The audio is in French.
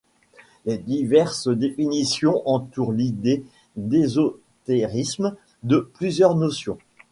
Les diverses définitions entourent l’idée d’ésotérisme de plusieurs notions.